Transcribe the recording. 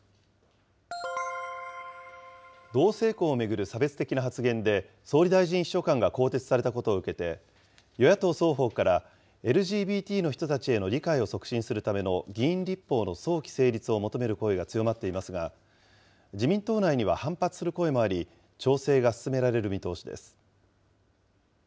同性婚を巡る差別的な発言で、総理大臣秘書官が更迭されたことを受けて、与野党双方から、ＬＧＢＴの人たちへの理解を促進するための議員立法の早期成立を求める声が強まっていますが、自民党内には反発する声もあり、調整が進められる見通しです。